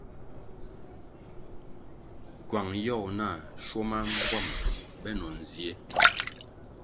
Kywang yogo nah schuo ma mbpuama benoh nzie.